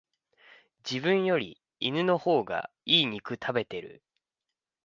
自分より犬の方が良い肉食べてる